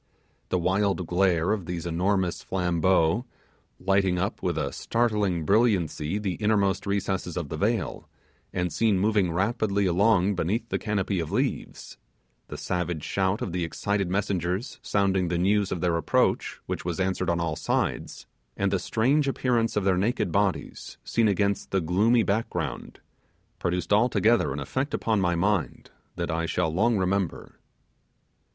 The wild glare of these enormous flambeaux, lighting up with a startling brilliancy the innermost recesses of the vale, and seen moving rapidly along beneath the canopy of leaves, the savage shout of the excited messengers sounding the news of their approach, which was answered on all sides, and the strange appearance of their naked bodies, seen against the gloomy background, produced altogether an effect upon my mind that I shall long remember.